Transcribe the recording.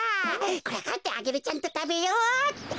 これかえってアゲルちゃんとたべよう。